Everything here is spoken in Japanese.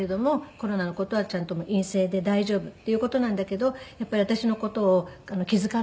コロナの事はちゃんと陰性で大丈夫っていう事なんだけどやっぱり私の事を気遣って。